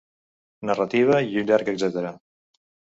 Narrativa i un llarg etcètera.